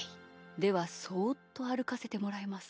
ではそっとあるかせてもらいます。